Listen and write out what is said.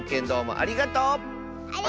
ありがとう！